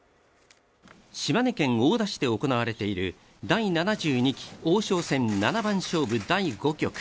島根県大田市で行われている第７２期王将戦七番勝負第５局。